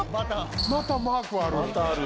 またマークある。